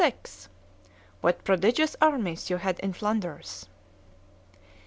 XLVI "—WHAT prodigious armies you had in _Flanders!